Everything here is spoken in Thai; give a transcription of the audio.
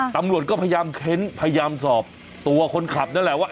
ตำรวจก็พยายามเค้นพยายามสอบตัวคนขับนั่นแหละว่า